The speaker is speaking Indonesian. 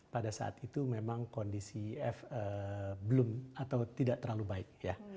pada saat itu memang kondisi if belum atau tidak terlalu baik ya